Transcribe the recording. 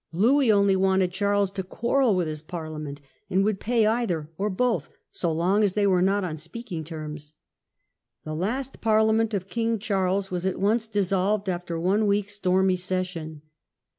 Louis only wanted Charles to quarrel with his parliament, and would pay either, or both, so long as they were not on Speaking terms. The last Parliament of King Charles was at once dissolved after one week's stormy session.